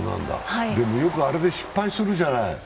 でも、よくあれで失敗するじゃない？